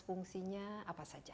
fungsinya apa saja